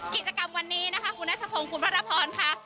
กิจกรรมวันนี้นะคะคุณนัชพงศ์คุณพระรพรค่ะ